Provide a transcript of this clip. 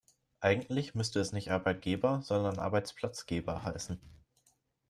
Eigentlich müsste es nicht Arbeitgeber, sondern Arbeitsplatzgeber heißen.